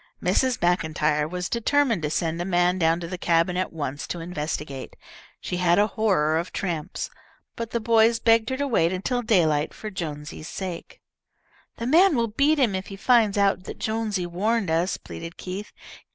Mrs. Maclntyre was determined to send a man down to the cabin at once to investigate. She had a horror of tramps. But the boys begged her to wait until daylight for Jonesy's sake. "The man will beat him if he finds out that Jonesy warned us," pleaded Keith.